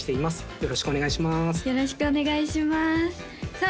よろしくお願いしますさあ